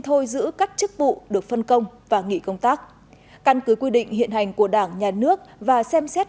thôi giữ các chức vụ được phân công và nghỉ công tác căn cứ quy định hiện hành của đảng nhà nước và xem xét